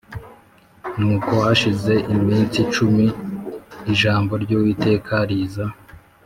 Nuko hashize iminsi cumi ijambo ry Uwiteka riza